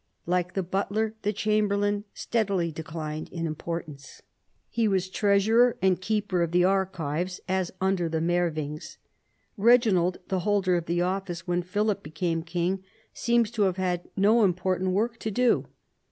Like the butler, the chamberlain steadily declined in importance. He was treasurer and keeper of the archives, as under the Merwings. Eeginald, the holder of the office when Philip became king, seems to have had no important work to do.